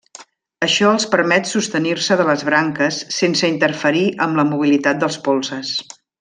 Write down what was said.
Això els permet sostenir-se de les branques sense interferir amb la mobilitat dels polzes.